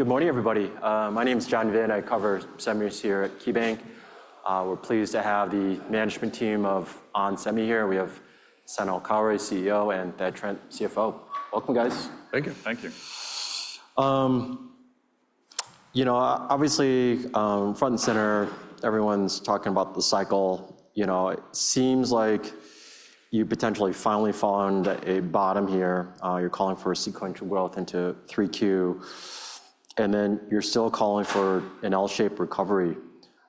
Good morning, everybody. My name is John Vinh. I cover semis here at KeyBanc. We're pleased to have the management team of onsemi here. We have Hassane El-Khoury, CEO, and Thad Trent, CFO. Welcome, guys. Thank you. Thank you. You know, obviously, front and center, everyone's talking about the cycle. You know, it seems like you potentially finally found a bottom here. You're calling for a sequential growth into 3Q. And then you're still calling for an L-shaped recovery.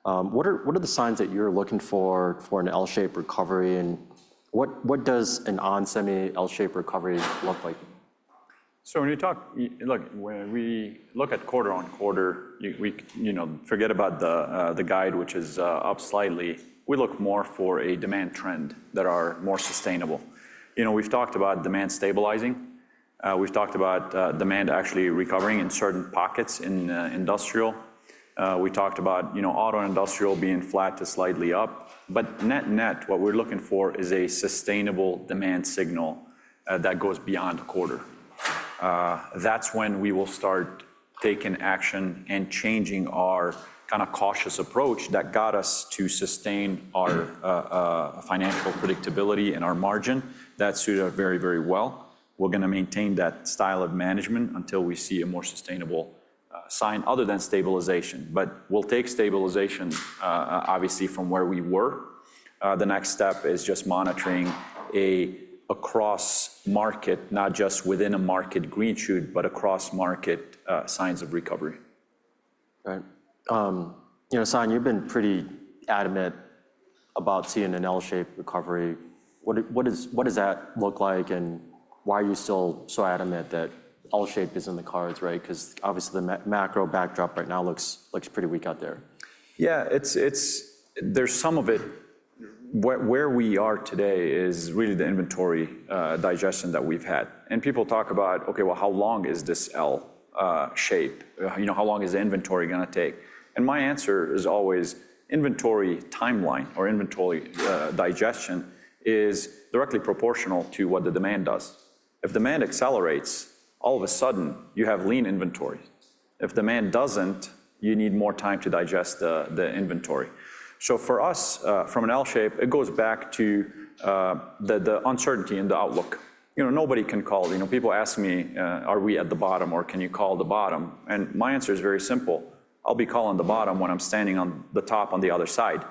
What are the signs that you're looking for an L-shaped recovery? And what does an onsemi L-shaped recovery look like? So when you talk, look, when we look at quarter-on-quarter, you know, forget about the guide, which is up slightly. We look more for a demand trend that is more sustainable. You know, we've talked about demand stabilizing. We've talked about demand actually recovering in certain pockets in industrial. We talked about, you know, auto industrial being flat to slightly up. But net net, what we're looking for is a sustainable demand signal that goes beyond a quarter. That's when we will start taking action and changing our kind of cautious approach that got us to sustain our financial predictability and our margin. That suited us very, very well. We're going to maintain that style of management until we see a more sustainable sign other than stabilization. But we'll take stabilization, obviously, from where we were. The next step is just monitoring across market, not just within a market green shoot, but across market signs of recovery. Right. You know, Hassane, you've been pretty adamant about seeing an L-shaped recovery. What does that look like? And why are you still so adamant that L-shaped is in the cards, right? Because obviously, the macro backdrop right now looks pretty weak out there. Yeah, there's some of it. Where we are today is really the inventory digestion that we've had. And people talk about, OK, well, how long is this L-shape? You know, how long is the inventory going to take? And my answer is always inventory timeline or inventory digestion is directly proportional to what the demand does. If demand accelerates, all of a sudden, you have lean inventory. If demand doesn't, you need more time to digest the inventory. So for us, from an L-shape, it goes back to the uncertainty in the outlook. You know, nobody can call. You know, people ask me, are we at the bottom or can you call the bottom? And my answer is very simple. I'll be calling the bottom when I'm standing on the top on the other side.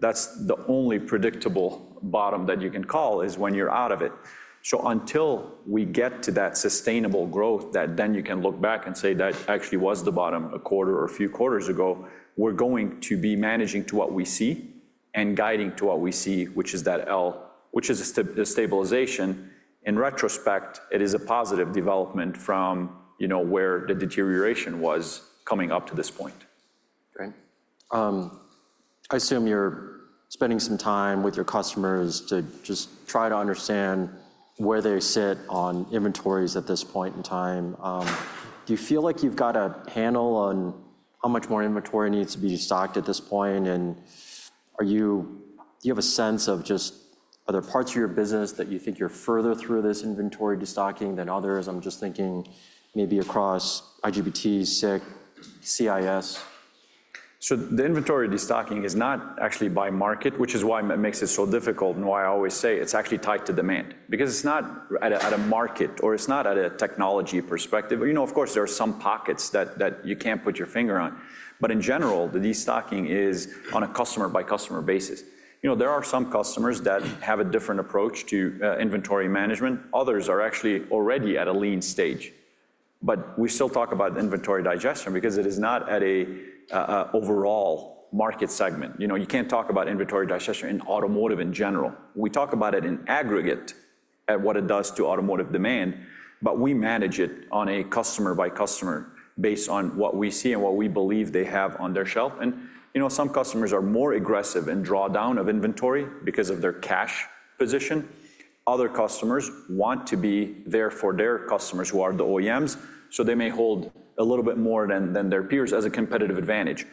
That's the only predictable bottom that you can call is when you're out of it. So until we get to that sustainable growth that then you can look back and say that actually was the bottom a quarter or a few quarters ago, we're going to be managing to what we see and guiding to what we see, which is that L, which is a stabilization. In retrospect, it is a positive development from, you know, where the deterioration was coming up to this point. Right. I assume you're spending some time with your customers to just try to understand where they sit on inventories at this point in time. Do you feel like you've got a handle on how much more inventory needs to be stocked at this point? And do you have a sense of just other parts of your business that you think you're further through this inventory destocking than others? I'm just thinking maybe across IGBT, SiC, CIS. So the inventory destocking is not actually by market, which is why it makes it so difficult and why I always say it's actually tied to demand. Because it's not at a market or it's not at a technology perspective. You know, of course, there are some pockets that you can't put your finger on. But in general, the destocking is on a customer-by-customer basis. You know, there are some customers that have a different approach to inventory management. Others are actually already at a lean stage. But we still talk about inventory digestion because it is not at an overall market segment. You know, you can't talk about inventory digestion in automotive in general. We talk about it in aggregate at what it does to automotive demand. But we manage it on a customer-by-customer basis on what we see and what we believe they have on their shelf. You know, some customers are more aggressive in drawdown of inventory because of their cash position. Other customers want to be there for their customers who are the OEMs. So they may hold a little bit more than their peers as a competitive advantage.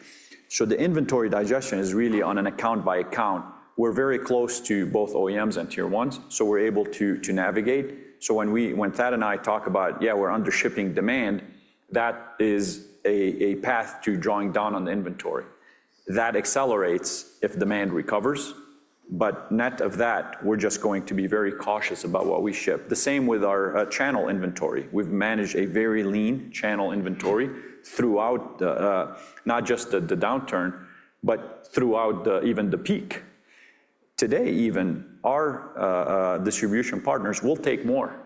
So the inventory digestion is really on an account-by-account. We're very close to both OEMs and tier ones. So we're able to navigate. So when Thad and I talk about, yeah, we're under shipping demand, that is a path to drawing down on the inventory. That accelerates if demand recovers. But net of that, we're just going to be very cautious about what we ship. The same with our channel inventory. We've managed a very lean channel inventory throughout, not just the downturn, but throughout even the peak. Today, even our distribution partners will take more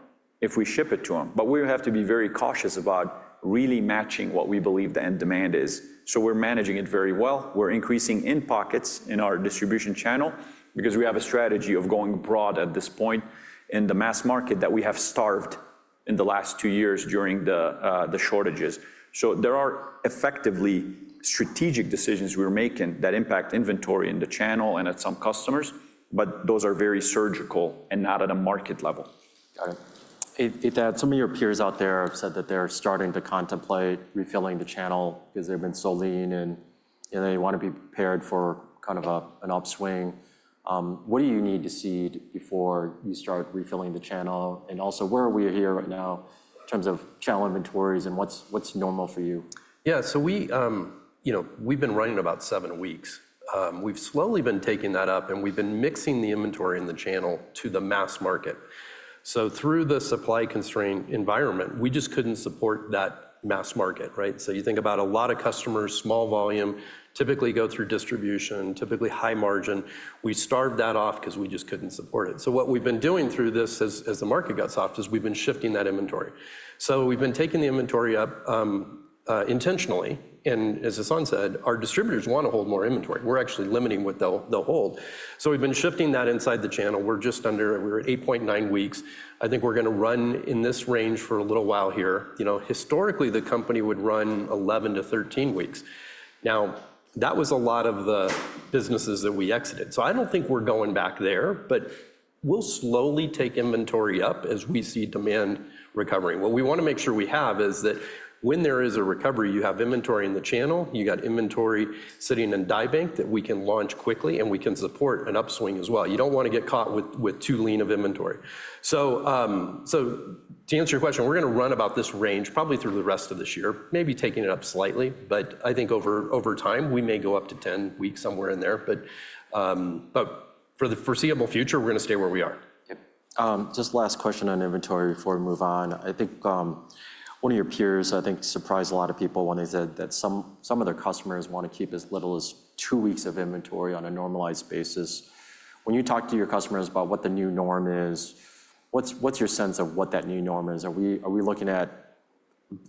if we ship it to them. But we have to be very cautious about really matching what we believe the end demand is. So we're managing it very well. We're increasing in pockets in our distribution channel because we have a strategy of going broad at this point in the mass market that we have starved in the last two years during the shortages. So there are effectively strategic decisions we're making that impact inventory in the channel and at some customers. But those are very surgical and not at a market level. Got it. Thad, some of your peers out there have said that they're starting to contemplate refilling the channel because they've been so lean and they want to be prepared for kind of an upswing. What do you need to see before you start refilling the channel? And also, where are we here right now in terms of channel inventories and what's normal for you? Yeah, so we've been running about seven weeks. We've slowly been taking that up. And we've been mixing the inventory in the channel to the mass market. So through the supply constraint environment, we just couldn't support that mass market, right? So you think about a lot of customers, small volume, typically go through distribution, typically high margin. We starved that off because we just couldn't support it. So what we've been doing through this as the market gets soft is we've been shifting that inventory. So we've been taking the inventory up intentionally. And as Hassane said, our distributors want to hold more inventory. We're actually limiting what they'll hold. So we've been shifting that inside the channel. We're just under, we're at 8.9 weeks. I think we're going to run in this range for a little while here. You know, historically, the company would run 11-13 weeks. Now, that was a lot of the businesses that we exited. So I don't think we're going back there. But we'll slowly take inventory up as we see demand recovering. What we want to make sure we have is that when there is a recovery, you have inventory in the channel. You've got inventory sitting in die bank that we can launch quickly. And we can support an upswing as well. You don't want to get caught with too lean of inventory. So to answer your question, we're going to run about this range probably through the rest of this year, maybe taking it up slightly. But I think over time, we may go up to 10 weeks somewhere in there. But for the foreseeable future, we're going to stay where we are. Just last question on inventory before we move on. I think one of your peers, I think, surprised a lot of people when they said that some of their customers want to keep as little as two weeks of inventory on a normalized basis. When you talk to your customers about what the new norm is, what's your sense of what that new norm is? Are we looking at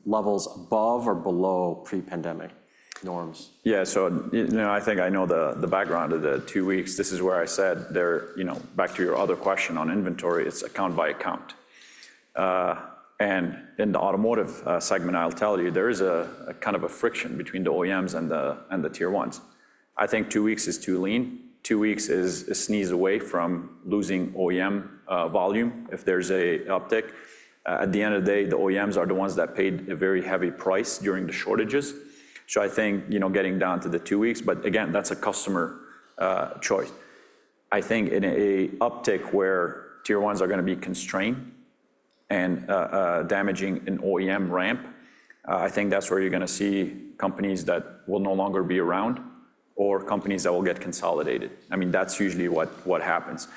levels above or below pre-pandemic norms? Yeah, so I think I know the background of the two weeks. This is where I said, back to your other question on inventory, it's account-by-account. And in the automotive segment, I'll tell you, there is a kind of a friction between the OEMs and the tier ones. I think two weeks is too lean. Two weeks is a sneeze away from losing OEM volume if there's an uptick. At the end of the day, the OEMs are the ones that paid a very heavy price during the shortages. So I think getting down to the two weeks, but again, that's a customer choice. I think in an uptick where tier ones are going to be constrained and damaging an OEM ramp, I think that's where you're going to see companies that will no longer be around or companies that will get consolidated. I mean, that's usually what happens.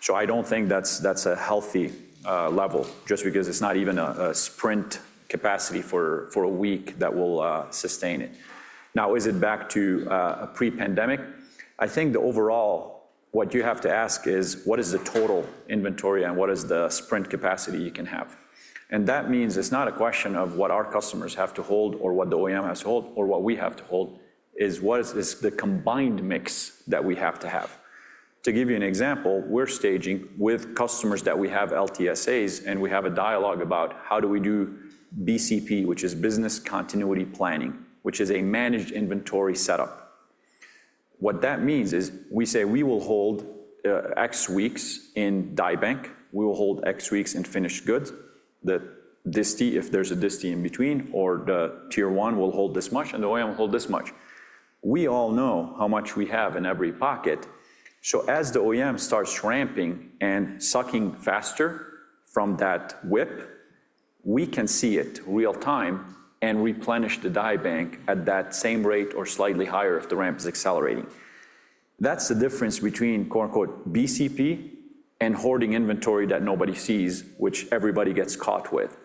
So I don't think that's a healthy level just because it's not even a sprint capacity for a week that will sustain it. Now, is it back to pre-pandemic? I think the overall, what you have to ask is, what is the total inventory and what is the sprint capacity you can have? And that means it's not a question of what our customers have to hold or what the OEM has to hold or what we have to hold. It's what is the combined mix that we have to have. To give you an example, we're staging with customers that we have LTSAs, and we have a dialogue about how do we do BCP, which is business continuity planning, which is a managed inventory setup. What that means is we say we will hold X weeks in die bank. We will hold X weeks in finished goods. The disti, if there's a disti in between, or the tier one will hold this much, and the OEM will hold this much. We all know how much we have in every pocket. So as the OEM starts ramping and sucking faster from that WIP, we can see it real time and replenish the die bank at that same rate or slightly higher if the ramp is accelerating. That's the difference between quote unquote BCP and hoarding inventory that nobody sees, which everybody gets caught with.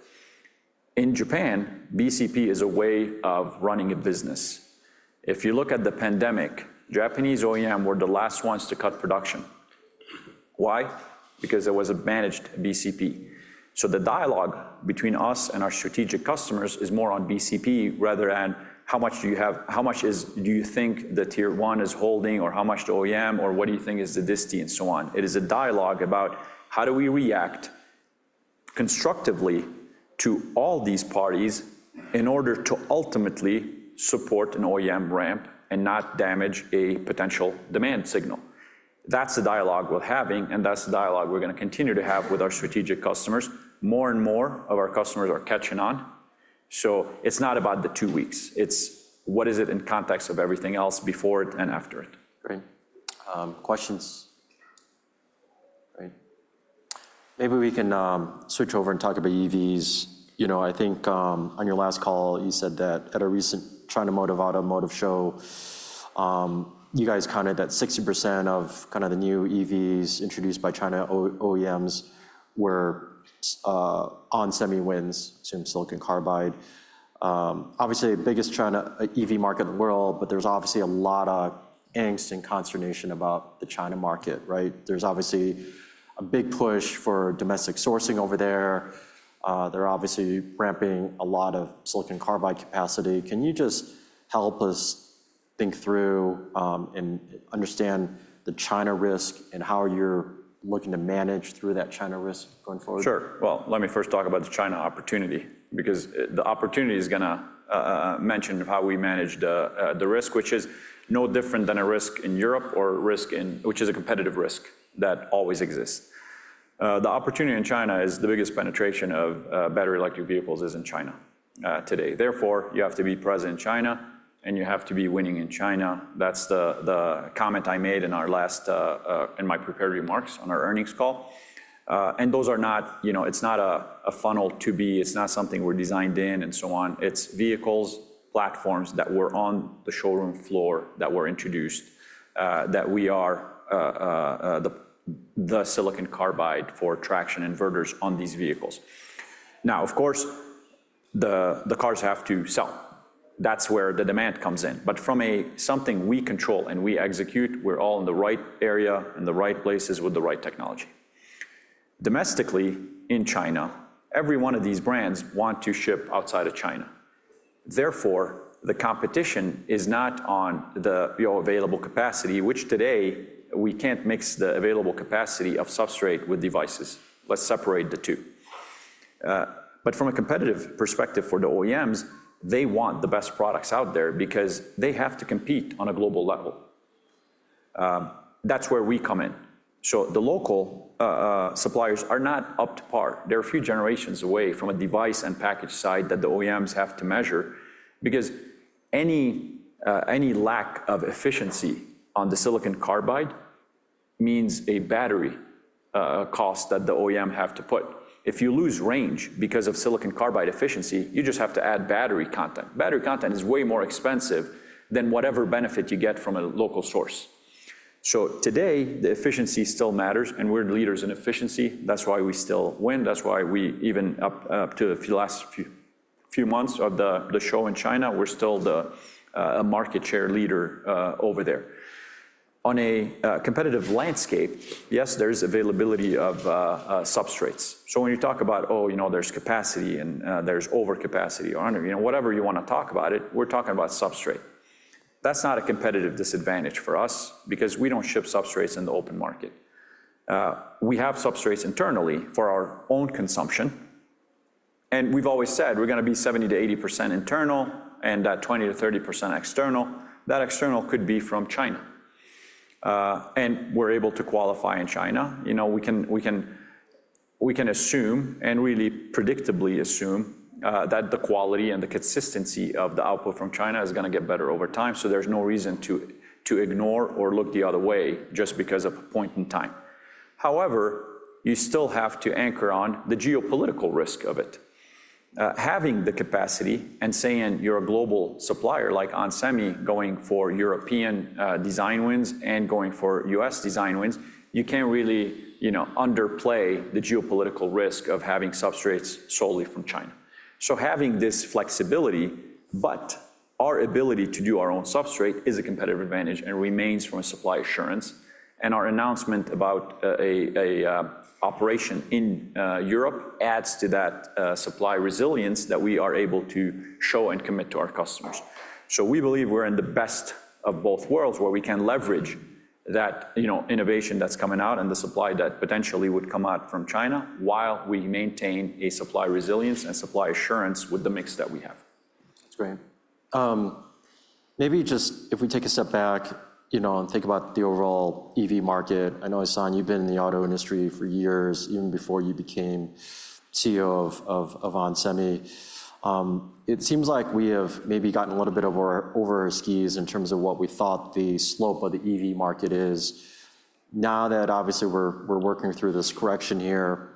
In Japan, BCP is a way of running a business. If you look at the pandemic, Japanese OEM were the last ones to cut production. Why? Because it was a managed BCP. So the dialogue between us and our strategic customers is more on BCP rather than how much do you have, how much do you think the tier one is holding or how much the OEM or what do you think is the disti and so on. It is a dialogue about how do we react constructively to all these parties in order to ultimately support an OEM ramp and not damage a potential demand signal. That's the dialogue we're having. And that's the dialogue we're going to continue to have with our strategic customers. More and more of our customers are catching on. So it's not about the two weeks. It's what is it in context of everything else before it and after it. Great. Questions? Great. Maybe we can switch over and talk about EVs. You know, I think on your last call, you said that at a recent China motor automotive show, you guys counted that 60% of kind of the new EVs introduced by China OEMs were onsemi wins, assuming silicon carbide. Obviously, the biggest China EV market in the world, but there's obviously a lot of angst and consternation about the China market, right? There's obviously a big push for domestic sourcing over there. They're obviously ramping a lot of silicon carbide capacity. Can you just help us think through and understand the China risk and how you're looking to manage through that China risk going forward? Sure. Well, let me first talk about the China opportunity because the opportunity is going to mention how we manage the risk, which is no different than a risk in Europe or a risk in, which is a competitive risk that always exists. The opportunity in China is the biggest penetration of battery electric vehicles is in China today. Therefore, you have to be present in China, and you have to be winning in China. That's the comment I made in my prepared remarks on our earnings call. And those are not, you know, it's not a funnel to be, it's not something we're designed in and so on. It's vehicles, platforms that were on the showroom floor that were introduced that we are the silicon carbide for traction inverters on these vehicles. Now, of course, the cars have to sell. That's where the demand comes in. But from something we control and we execute, we're all in the right area and the right places with the right technology. Domestically in China, every one of these brands wants to ship outside of China. Therefore, the competition is not on the available capacity, which today we can't mix the available capacity of substrate with devices. Let's separate the two. But from a competitive perspective for the OEMs, they want the best products out there because they have to compete on a global level. That's where we come in. So the local suppliers are not up to par. They're a few generations away from a device and package side that the OEMs have to measure because any lack of efficiency on the silicon carbide means a battery cost that the OEM has to put. If you lose range because of silicon carbide efficiency, you just have to add battery content. Battery content is way more expensive than whatever benefit you get from a local source. So today, the efficiency still matters. And we're leaders in efficiency. That's why we still win. That's why we even up to the last few months of the show in China, we're still a market share leader over there. On a competitive landscape, yes, there is availability of substrates. So when you talk about, oh, you know, there's capacity and there's overcapacity or whatever you want to talk about it, we're talking about substrate. That's not a competitive disadvantage for us because we don't ship substrates in the open market. We have substrates internally for our own consumption. And we've always said we're going to be 70%-80% internal and that 20%-30% external. That external could be from China. We're able to qualify in China. You know, we can assume and really predictably assume that the quality and the consistency of the output from China is going to get better over time. So there's no reason to ignore or look the other way just because of a point in time. However, you still have to anchor on the geopolitical risk of it. Having the capacity and saying you're a global supplier like onsemi going for European design wins and going for U.S. design wins, you can't really underplay the geopolitical risk of having substrates solely from China. So having this flexibility, but our ability to do our own substrate is a competitive advantage and remains from a supply assurance. Our announcement about an operation in Europe adds to that supply resilience that we are able to show and commit to our customers. We believe we're in the best of both worlds where we can leverage that innovation that's coming out and the supply that potentially would come out from China while we maintain a supply resilience and supply assurance with the mix that we have. That's great. Maybe just if we take a step back, you know, and think about the overall EV market. I know, Hassane, you've been in the auto industry for years even before you became CEO of onsemi. It seems like we have maybe gotten a little bit over our skis in terms of what we thought the slope of the EV market is. Now that obviously we're working through this correction here,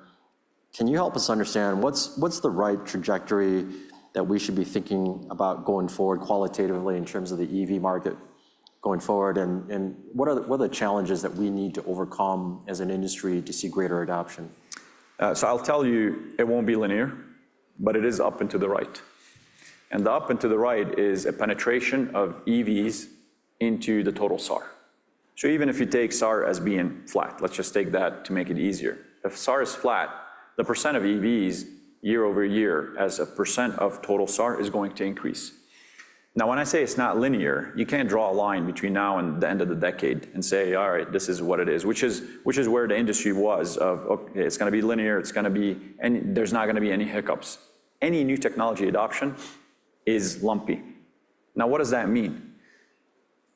can you help us understand what's the right trajectory that we should be thinking about going forward qualitatively in terms of the EV market going forward? And what are the challenges that we need to overcome as an industry to see greater adoption? So I'll tell you, it won't be linear, but it is up and to the right. And the up and to the right is a penetration of EVs into the total SAR. So even if you take SAR as being flat, let's just take that to make it easier. If SAR is flat, the percent of EVs year-over-year as a percent of total SAR is going to increase. Now, when I say it's not linear, you can't draw a line between now and the end of the decade and say, all right, this is what it is, which is where the industry was of, OK, it's going to be linear. It's going to be, and there's not going to be any hiccups. Any new technology adoption is lumpy. Now, what does that mean?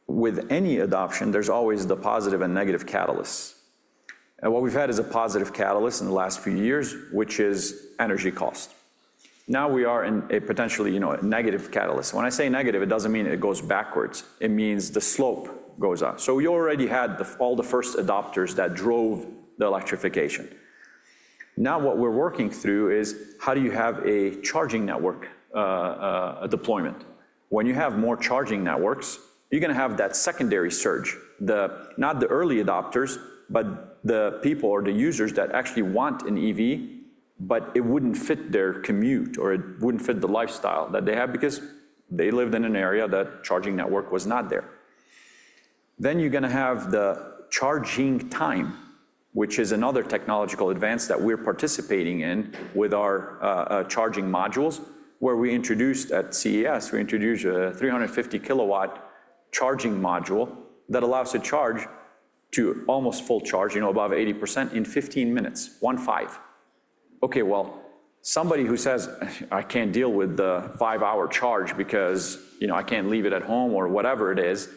With any adoption, there's always the positive and negative catalysts. And what we've had is a positive catalyst in the last few years, which is energy cost. Now we are in a potentially, you know, negative catalyst. When I say negative, it doesn't mean it goes backwards. It means the slope goes up. So we already had all the first adopters that drove the electrification. Now what we're working through is how do you have a charging network deployment? When you have more charging networks, you're going to have that secondary surge, not the early adopters, but the people or the users that actually want an EV, but it wouldn't fit their commute or it wouldn't fit the lifestyle that they have because they lived in an area that charging network was not there. Then you're going to have the charging time, which is another technological advance that we're participating in with our charging modules where we introduced at CES, we introduced a 350 kW charging module that allows to charge to almost full charge, you know, above 80% in 15 minutes, one five. OK, well, somebody who says, I can't deal with the five-hour charge because, you know, I can't leave it at home or whatever it is.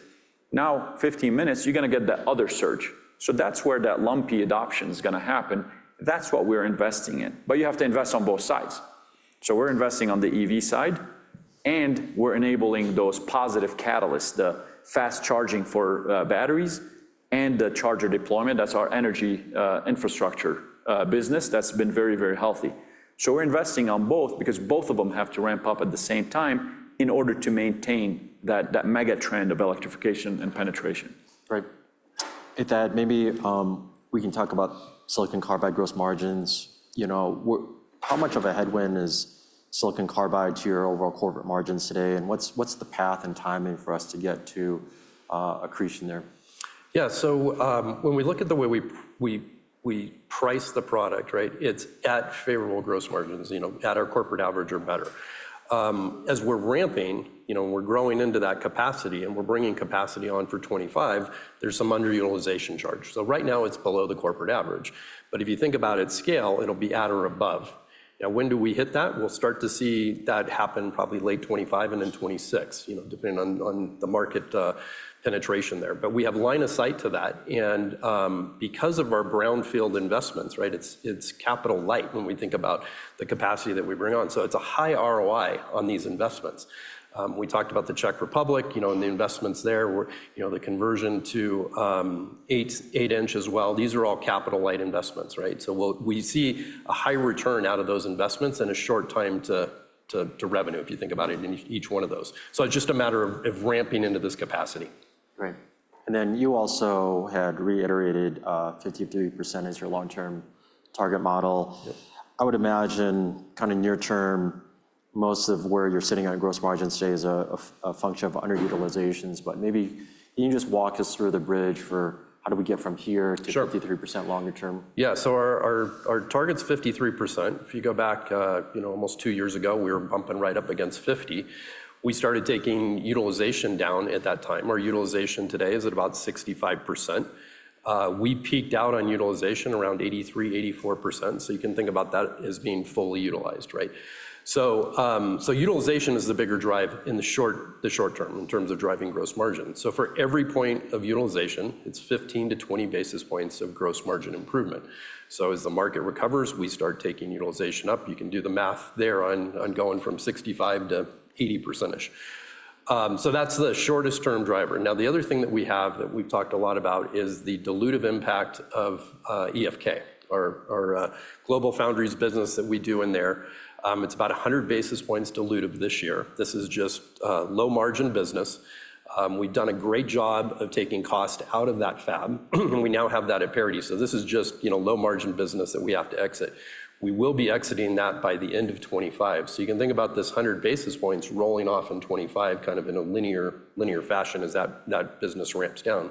Now, 15 minutes, you're going to get the other surge. So that's where that lumpy adoption is going to happen. That's what we're investing in. But you have to invest on both sides. So we're investing on the EV side, and we're enabling those positive catalysts, the fast charging for batteries and the charger deployment. That's our energy infrastructure business that's been very, very healthy. So we're investing on both because both of them have to ramp up at the same time in order to maintain that mega trend of electrification and penetration. Right. Hey Thad, maybe we can talk about silicon carbide gross margins. You know, how much of a headwind is silicon carbide to your overall corporate margins today? And what's the path and timing for us to get to accretion there? Yeah. So when we look at the way we price the product, right, it's at favorable gross margins, you know, at our corporate average or better. As we're ramping, you know, we're growing into that capacity and we're bringing capacity on for 2025, there's some underutilization charge. So right now it's below the corporate average. But if you think about its scale, it'll be at or above. Now, when do we hit that? We'll start to see that happen probably late 2025 and in 2026, you know, depending on the market penetration there. But we have line of sight to that. And because of our brownfield investments, right, it's capital light when we think about the capacity that we bring on. So it's a high ROI on these investments. We talked about the Czech Republic, you know, and the investments there, you know, the conversion to 8 in as well. These are all capital light investments, right? So we see a high return out of those investments and a short time to revenue if you think about it in each one of those. So it's just a matter of ramping into this capacity. Right. And then you also had reiterated 53% as your long-term target model. I would imagine kind of near-term, most of where you're sitting on gross margins today is a function of underutilizations. But maybe can you just walk us through the bridge for how do we get from here to 53% longer term? Yeah. So our target's 53%. If you go back, you know, almost two years ago, we were bumping right up against 50. We started taking utilization down at that time. Our utilization today is at about 65%. We peaked out on utilization around 83%-84%. So you can think about that as being fully utilized, right? So utilization is the bigger drive in the short term in terms of driving gross margin. So for every point of utilization, it's 15-20 basis points of gross margin improvement. So as the market recovers, we start taking utilization up. You can do the math there on going from 65%-80%-ish. So that's the shortest-term driver. Now, the other thing that we have that we've talked a lot about is the dilutive impact of EFK, our GlobalFoundries business that we do in there. It's about 100 basis points dilutive this year. This is just low-margin business. We've done a great job of taking cost out of that fab. And we now have that at parity. So this is just, you know, low-margin business that we have to exit. We will be exiting that by the end of 2025. So you can think about this 100 basis points rolling off in 2025 kind of in a linear fashion as that business ramps down.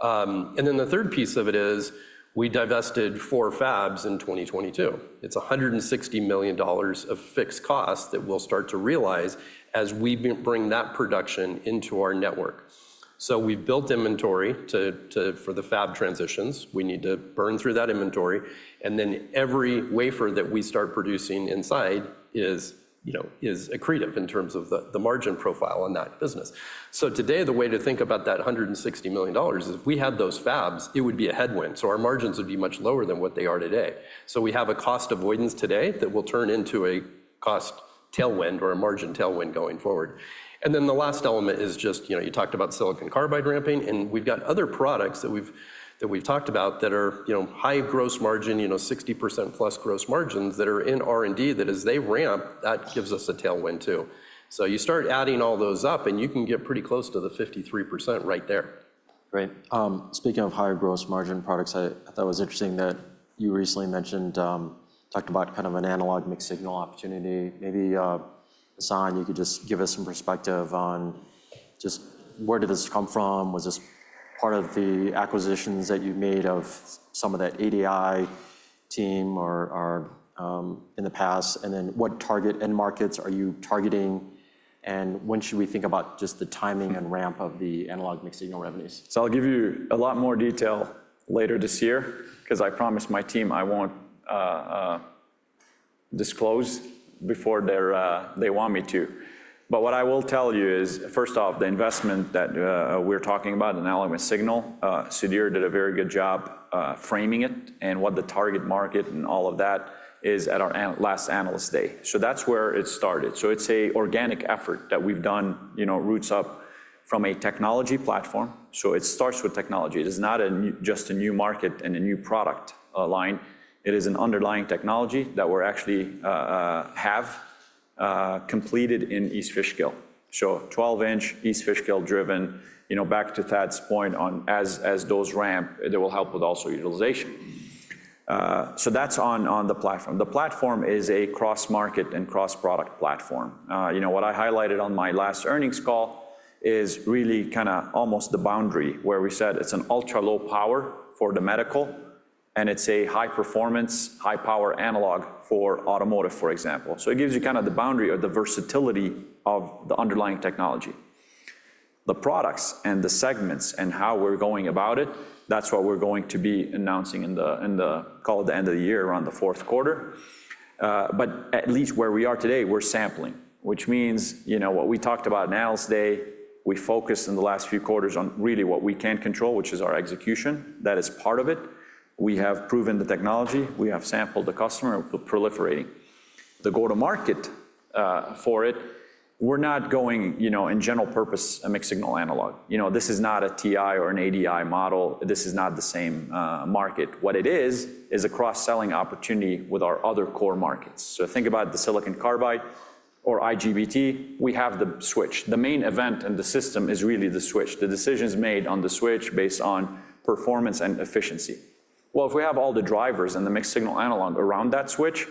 And then the third piece of it is we divested four fabs in 2022. It's $160 million of fixed costs that we'll start to realize as we bring that production into our network. So we've built inventory for the fab transitions. We need to burn through that inventory. And then every wafer that we start producing inside is, you know, is accretive in terms of the margin profile on that business. So today, the way to think about that $160 million is if we had those fabs, it would be a headwind. So our margins would be much lower than what they are today. So we have a cost avoidance today that will turn into a cost tailwind or a margin tailwind going forward. And then the last element is just, you know, you talked about silicon carbide ramping. And we've got other products that we've talked about that are, you know, high gross margin, you know, 60%+ gross margins that are in R&D that as they ramp, that gives us a tailwind too. So you start adding all those up and you can get pretty close to the 53% right there. Right. Speaking of higher gross margin products, I thought it was interesting that you recently mentioned, talked about kind of an analog mixed-signal opportunity. Maybe, Hassane, you could just give us some perspective on just where did this come from? Was this part of the acquisitions that you made of some of that ADI team or in the past? And then what target end markets are you targeting? And when should we think about just the timing and ramp of the analog mixed-signal revenues? So I'll give you a lot more detail later this year because I promised my team I won't disclose before they want me to. But what I will tell you is, first off, the investment that we're talking about, analog mixed signal, Sudhir did a very good job framing it and what the target market and all of that is at our last analyst day. So that's where it started. So it's an organic effort that we've done, you know, roots up from a technology platform. So it starts with technology. It is not just a new market and a new product line. It is an underlying technology that we actually have completed in East Fishkill. So 12 in East Fishkill driven, you know, back to Thad's point on as those ramp, it will help with also utilization. So that's on the platform. The platform is a cross-market and cross-product platform. You know, what I highlighted on my last earnings call is really kind of almost the boundary where we said it's an ultra low power for the medical and it's a high-performance, high-power analog for automotive, for example. So it gives you kind of the boundary or the versatility of the underlying technology. The products and the segments and how we're going about it, that's what we're going to be announcing in the call at the end of the year around the fourth quarter. But at least where we are today, we're sampling, which means, you know, what we talked about Analyst Day, we focused in the last few quarters on really what we can control, which is our execution. That is part of it. We have proven the technology. We have sampled the customer. We're proliferating. The go-to-market for it, we're not going, you know, in general purpose, a mixed signal analog. You know, this is not a TI or an ADI model. This is not the same market. What it is is a cross-selling opportunity with our other core markets. So think about the silicon carbide or IGBT. We have the switch. The main event in the system is really the switch. The decision is made on the switch based on performance and efficiency. Well, if we have all the drivers and the mixed signal analog around that switch,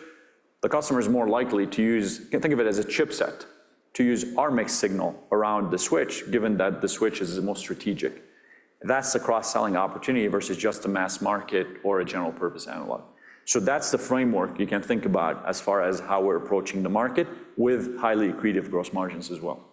the customer is more likely to use, think of it as a chipset, to use our mixed signal around the switch, given that the switch is the most strategic. That's a cross-selling opportunity versus just a mass market or a general-purpose analog. That's the framework you can think about as far as how we're approaching the market with highly accretive gross margins as well. Right.